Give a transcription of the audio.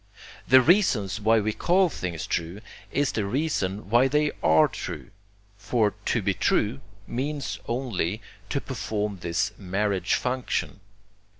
The reasons why we call things true is the reason why they ARE true, for 'to be true' MEANS only to perform this marriage function.